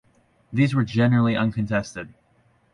These were generally uncontested.